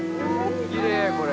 きれいこれ。